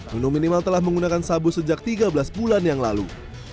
nunu minimal telah menggunakan sabu sejak tiga belas bulan yang lalu